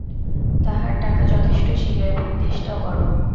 তাঁহার টাকা যথেষ্ট ছিল, এবং দেশটাও গরম।